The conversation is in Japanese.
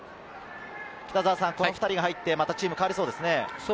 北澤さん、この２人が入って、またチームは変わりそうですね。